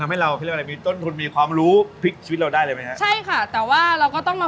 ตัวนี้ก็มีสูตรหอยเจ้าสูตรไชทะวิ